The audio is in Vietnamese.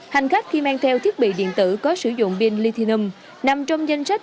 hành khách khi mang theo thiết bị điện tử có sử dụng pin lithiunum nằm trong danh sách